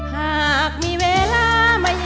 ครับลุย